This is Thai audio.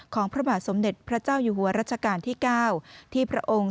ของพระบาทสมเด็จทางพระเจ้าอยู่หัวรัชกาลที่๙